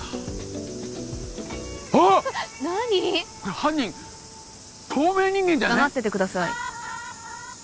犯人透明人間じゃ黙っててください